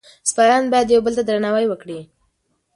سپایان باید یو بل ته درناوی وکړي.